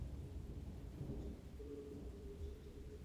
ভালোবাসার নবাঙ্কুরে গোপনে জলসিঞ্চন তরুণীদের পক্ষে বড়ো কৌতুকের।